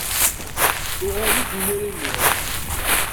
Uɣal-d imir imir!